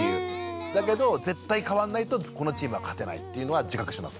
だけど絶対変わんないとこのチームは勝てないっていうのは自覚してます。